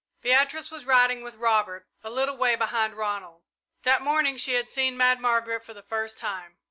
Beatrice was riding with Robert, a little way behind Ronald. That morning she had seen Mad Margaret for the first time.